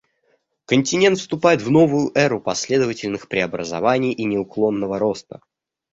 Континент вступает в новую эру последовательных преобразований и неуклонного роста.